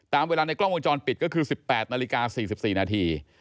ตามเวลาในกล้องวงจรปิดก็คือ๑๘นาฬิกา๔๔นาที